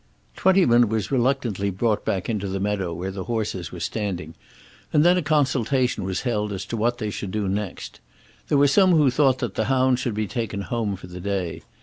Twentyman was reluctantly brought back into the meadow where the horses were standing, and then a consultation was held as to what they should do next. There were some who thought that the hounds should be taken home for the day.